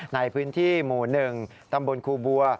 ในพื้นที่หมู่๑ตำบลครูบัว